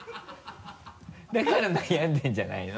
だから悩んでるんじゃないの？